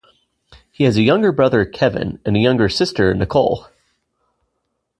He has a younger brother, Kevin, and a younger sister, Nicole.